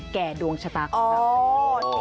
ดวงชะตาของเรา